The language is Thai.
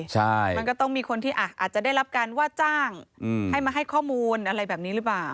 ใช่มันก็ต้องมีคนที่อาจจะได้รับการว่าจ้างให้มาให้ข้อมูลอะไรแบบนี้หรือเปล่า